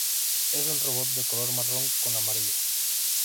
Es un robot de color marrón con amarillo.